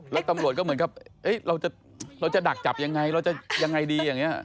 แล้วตำรวจก็เหมือนกับเราจะดักจับยังไงเราจะยังไงดีอย่างนี้